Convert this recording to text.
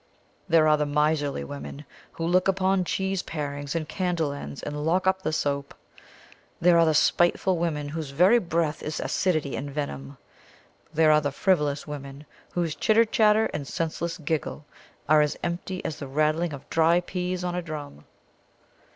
There are the miserly woman, who look after cheese parings and candle ends, and lock up the soap. There are the spiteful women whose very breath is acidity and venom. There are the frivolous women whose chitter chatter and senseless giggle are as empty as the rattling of dry peas on a drum.